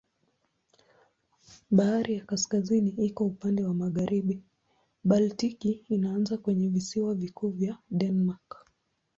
Bahari ya Kaskazini iko upande wa magharibi, Baltiki inaanza kwenye visiwa vikuu vya Denmark.